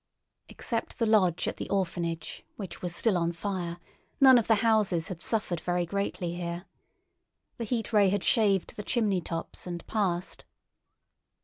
Except the lodge at the Orphanage, which was still on fire, none of the houses had suffered very greatly here. The Heat Ray had shaved the chimney tops and passed.